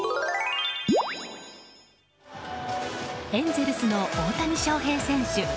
エンゼルスの大谷翔平選手。